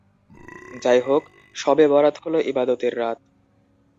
যাই হোক, শবে বরাত হলো ইবাদতের রাত।